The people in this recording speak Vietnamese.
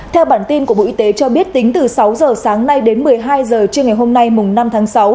theo bản tin của bộ y tế cho biết tính từ sáu giờ sáng nay đến một mươi hai h trưa ngày hôm nay năm tháng sáu